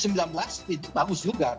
itu bagus juga